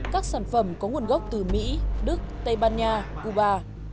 các sản phẩm có nguồn gốc từ mỹ đức tây ban nha cuba